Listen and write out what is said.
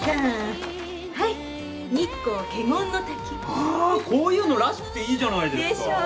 ああこういうのらしくていいじゃないですか。でしょ？